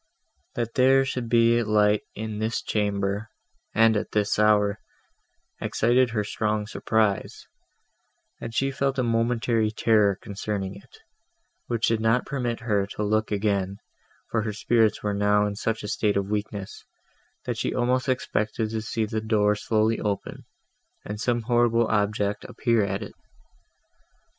That there should be light in this chamber, and at this hour, excited her strong surprise, and she felt a momentary terror concerning it, which did not permit her to look again, for her spirits were now in such a state of weakness, that she almost expected to see the door slowly open, and some horrible object appear at it.